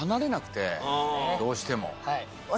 どうしても。